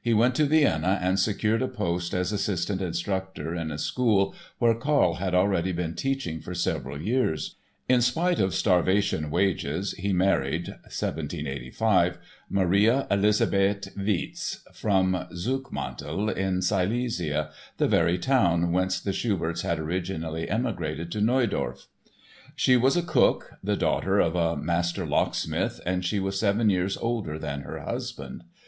He went to Vienna and secured a post as assistant instructor in a school where Karl had already been teaching for several years. In spite of starvation wages he married (1785) Maria Elisabeth Vietz, from Zuckmantel, in Silesia, the very town whence the Schuberts had originally emigrated to Neudorf. She was a cook, the daughter of a "master locksmith," and she was seven years older than her husband.